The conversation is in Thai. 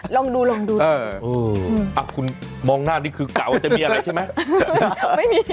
ลองดูลองดูคุณมองหน้านี่คือเก่าจะมีอะไรใช่ไหม